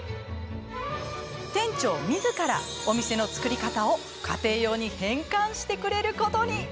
店長みずからお店の作り方を家庭用に変換してくれることに。